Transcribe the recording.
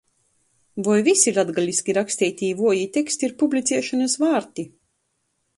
Voi vysi latgaliski raksteitī i vuojī teksti ir publiciešonys vārti?